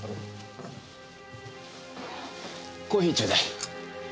コーヒーちょうだい。